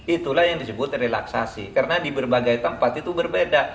itulah yang disebut relaksasi karena di berbagai tempat itu berbeda